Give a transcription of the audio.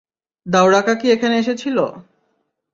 দাওরাকা কি এখানে এসেছিল?